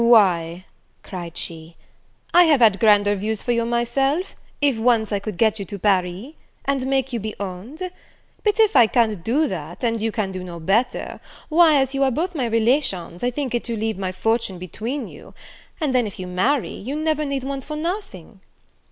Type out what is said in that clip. "Why," cried she, "I have had grander views for you myself, if once I could get you to Paris, and make you be owned; but if I can't do that, and you can do no better, why, as you are both my relations, I think to leave my fortune between you; and then, if you marry, you never need want for nothing."